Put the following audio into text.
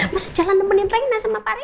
maksudnya jalan nemenin rina sama pak riza